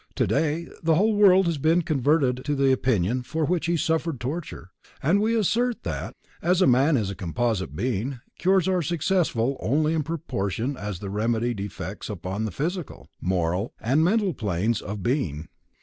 Today the whole world has been converted to the opinion for which he suffered torture, and we assert that, _as man is a composite being, cures are successful only in proportion as they remedy defects on the physical, moral and mental planes of Being_.